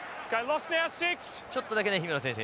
ちょっとだけね姫野選手